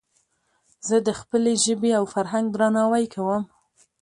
زه د خپلي ژبي او فرهنګ درناوی کوم.